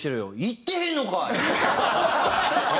「行ってへんのかい！」。